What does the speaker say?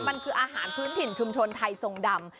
มันคืออาหารพื้นถิ่นชุมชนไทยทรงดำ